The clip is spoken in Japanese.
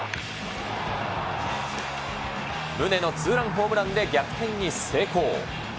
宗のツーランホームランで逆転に成功。